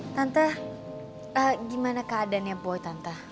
tante gimana keadaannya boy tante